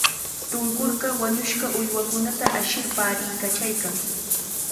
Kunturqa wañushqa uywakunata ashir paariykachaykan.